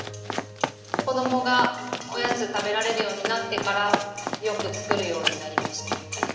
子どもがおやつ食べられるようになってからよく作るようになりました。